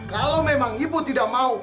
kalau memang ibu tidak mau